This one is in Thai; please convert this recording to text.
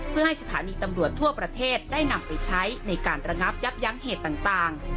เพื่อให้สถานีตำรวจทั่วประเทศได้นำไปใช้ในการระงับยับยั้งเหตุต่าง